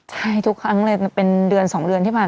ใช่ทุกครั้งเลยเป็นเดือน๒เดือนที่ผ่าน